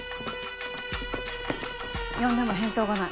呼んでも返答がない。